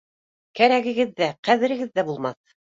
Кәрәгегеҙ ҙә, ҡәҙерегеҙ ҙә булмаҫ.